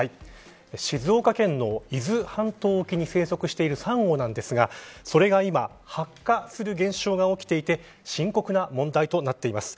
静岡県の伊豆半島沖に生息しているサンゴなんですがそれが今白化する現象が起きていて深刻な問題となっています。